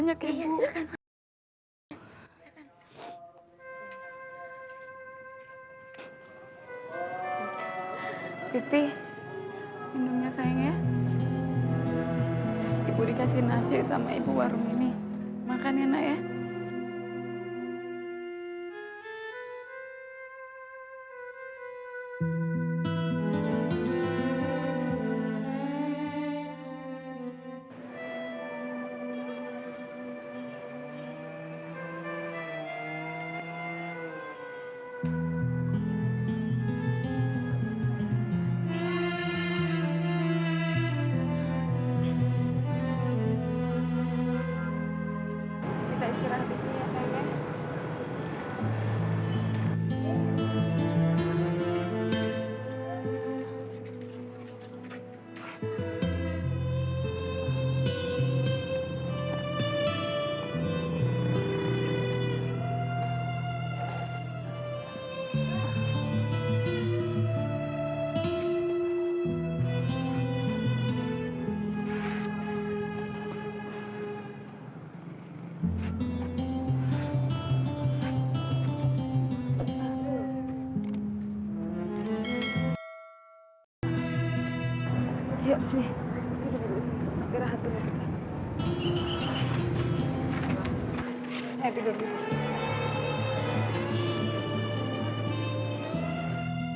jada lagi yang dapat hamba k had rendet